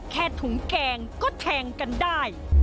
แค่ถุงแกงก็แทงกันได้